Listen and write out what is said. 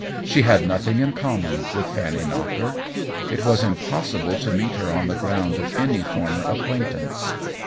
She had nothing in common with Fanny Knocker. It was impossible to meet her on the ground of any former acquaintance.